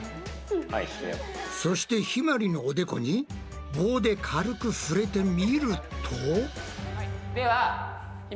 そしてひまりのおでこに棒で軽く触れてみると。